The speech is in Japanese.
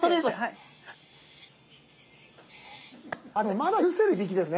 でもまだ許せるいびきですね。